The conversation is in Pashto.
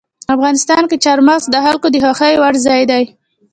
افغانستان کې چار مغز د خلکو د خوښې وړ ځای دی.